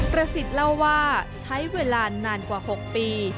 ประสิทธิ์เล่าว่าใช้เวลานานกว่า๖ปี